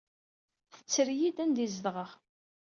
Tetter-iyi-d anda ay zedɣeɣ.